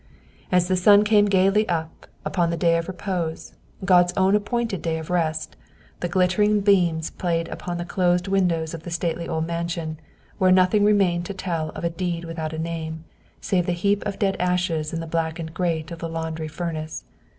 And the sun came gaily up, upon the day of repose, God's own appointed day of rest, the glittering beams played upon the closed windows of the stately old mansion, where nothing remained to tell of a "deed without a name" save a heap of dead ashes in the blackened grate of the laundry furnace.